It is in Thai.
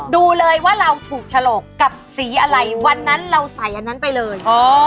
ดูเลยว่าเราถูกฉลกกับสีอะไรวันนั้นเราใส่อันนั้นไปเลย